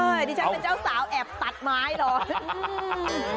ดิฉันเป็นเจ้าสาวแอบตัดไม้เหรอ